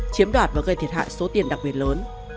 chiếm đoạt và gây thiệt hại số tiền đặc biệt lớn